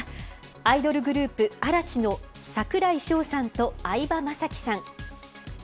アイドルグループ、嵐の櫻井翔さんと相葉雅紀さん。